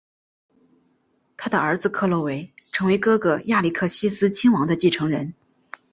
他的儿子克洛维成为哥哥亚历克西斯亲王的继承人。